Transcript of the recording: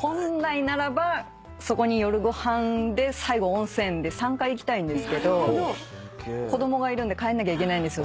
本来ならばそこに夜ご飯で最後温泉で３回行きたいんですけど子供がいるんで帰んなきゃいけないんですよ